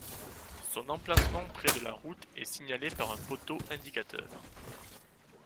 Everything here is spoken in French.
Son emplacement, près de la route, est signalé par un poteau indicateur.